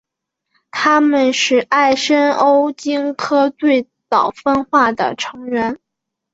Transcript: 它们是艾什欧鲸科最早分化的成员。